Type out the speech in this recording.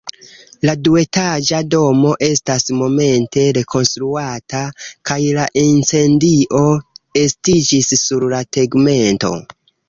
La duetaĝa domo estas momente rekonstruata, kaj la incendio estiĝis sur la tegmento.